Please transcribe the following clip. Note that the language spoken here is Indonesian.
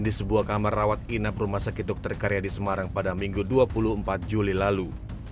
di sebuah kamar rawat inap rumah sakit dr karyadi semarang pada minggu dua puluh empat juli lalu